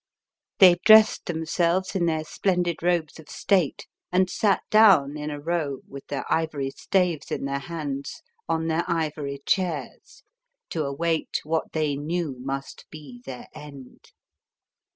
They dressed themselves in their splendid robes of state, and sat down in a row, with their ivory staves in their hands, on their ivory chairs, to await what they knew must be their end.